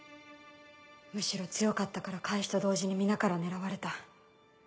むしろ強かったから開始と同時に皆から狙われた。